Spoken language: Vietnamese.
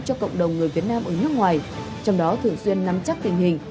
cho cộng đồng người việt nam ở nước ngoài trong đó thường xuyên nắm chắc tình hình